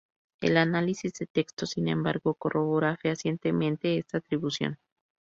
El análisis del texto, sin embargo, corrobora fehacientemente esta atribución.